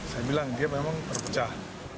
saya bilang dia memang perpecahan